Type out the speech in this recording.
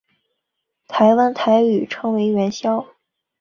台湾台语称为元宵。